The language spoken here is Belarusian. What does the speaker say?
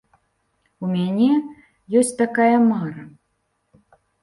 У мяне ёсць такая мара.